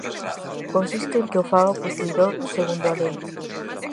Consiste en que o faga posuídor segundo a Lei.